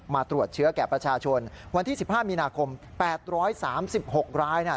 มาตรวจเชื้อแก่ประชาชนวันที่๑๕มีนาคม๘๓๖ราย